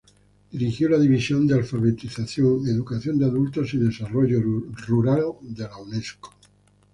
Dirigió la División de Alfabetización, Educación de Adultos y Desarrollo Rural de la Unesco.